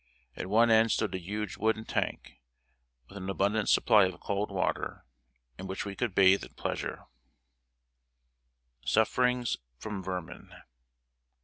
At one end stood a huge wooden tank, with an abundant supply of cold water, in which we could bathe at pleasure. [Sidenote: SUFFERINGS FROM VERMIN.